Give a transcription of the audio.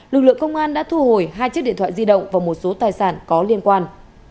lực lượng công an đã thu hồi hai chiếc điện thoại di động và một số tài sản có liên quan